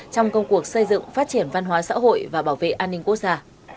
trong công cuộc xây dựng phát triển văn hóa xã hội và bảo vệ an ninh quốc gia